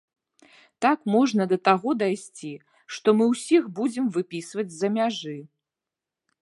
Так можна да таго дайсці, што мы ўсіх будзем выпісваць з-за мяжы!